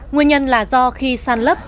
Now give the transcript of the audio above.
nguyên nhân là do khi sàn lấp